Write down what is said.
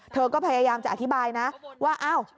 เธอก็พยายามจะอธิบายนะว่าอ้าว